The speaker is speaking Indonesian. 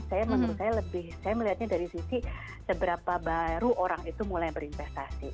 saya menurut saya lebih saya melihatnya dari sisi seberapa baru orang itu mulai berinvestasi